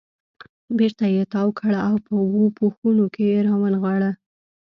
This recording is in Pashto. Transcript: بېرته یې تاو کړ او په اوو پوښونو کې یې را ونغاړه.